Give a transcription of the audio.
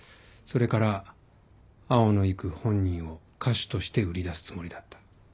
それから青野郁本人を歌手として売り出すつもりだった。